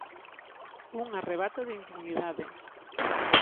"Un arrebato de indignidade".